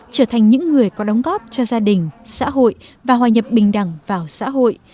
trở thành những người có đóng góp cho gia đình xã hội và hòa nhập bình đẳng vào xã hội